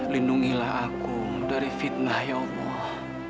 lindungilah aku dari fitnah ya allah